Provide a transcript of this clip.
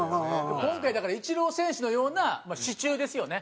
今回だからイチロー選手のようなまあ支柱ですよね。